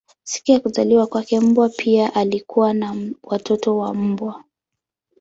Siku ya kuzaliwa kwake mbwa pia alikuwa na watoto wa mbwa.